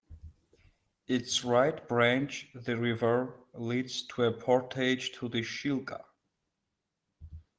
Its right branch, the River, leads to a portage to the Shilka.